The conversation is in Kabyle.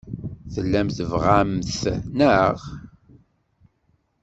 Tellam tebɣam-t, naɣ?